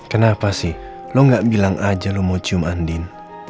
kenapa sih lo gak bilang aja lo mau cium andin